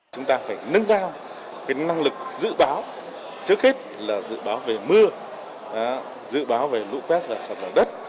chúng ta phải nâng cao cái năng lực dự báo sức khích là dự báo về mưa dự báo về lũ quét là sọt vào đất